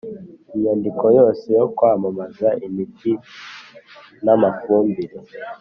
Inyandiko yose yo kwamamaza imiti n amafumbire